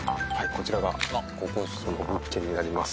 こちらがその物件になります。